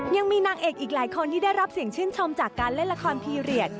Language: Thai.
ยังมีนางเอกอีกหลายคนที่ได้รับเสียงชื่นชมจากการเล่นละครพีเรียส